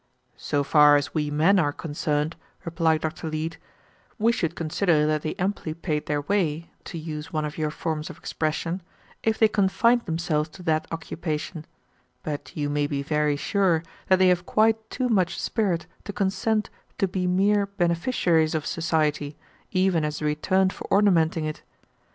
"So far as we men are concerned," replied Dr. Leete, "we should consider that they amply paid their way, to use one of your forms of expression, if they confined themselves to that occupation, but you may be very sure that they have quite too much spirit to consent to be mere beneficiaries of society, even as a return for ornamenting it.